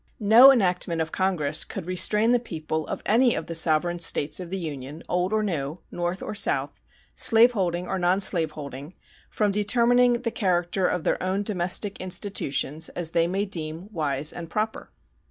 No enactment of Congress could restrain the people of any of the sovereign States of the Union, old or new, North or South, slaveholding or nonslaveholding, from determining the character of their own domestic institutions as they may deem wise and proper.